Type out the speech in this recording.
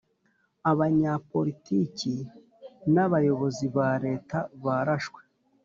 Abanyapolitiki n Abayobozi ba leta barashwe